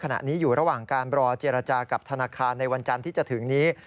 ขณะนี้อยู่ระหว่างการรอเจรจากับธนาคารในวันจันทร์ที่จะถึงนี้